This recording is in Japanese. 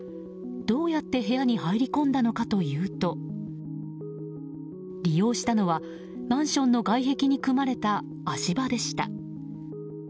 どうやって部屋に入り込んだのかというと利用したのは、マンションの外壁に組まれた足場でした。